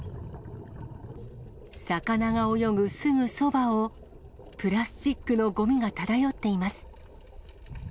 魚が泳ぐすぐそばを、プラスチックのごみが漂っています。